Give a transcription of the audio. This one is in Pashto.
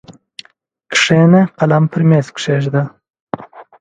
کښېنه قلم پر مېز کښېږده!